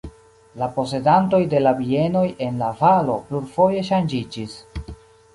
La posedantoj de la bienoj en la valo plurfoje ŝanĝiĝis.